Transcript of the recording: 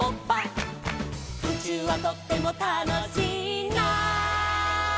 「うちゅうはとってもたのしいな」